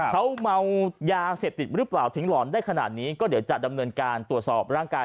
เขาเมายาเสพติดหรือเปล่าถึงหลอนได้ขนาดนี้ก็เดี๋ยวจะดำเนินการตรวจสอบร่างกาย